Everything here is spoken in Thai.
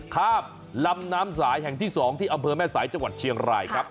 ข้ามลำน้ำสายแห่งที่๒ที่อำเภอแม่สายจังหวัดเชียงรายครับ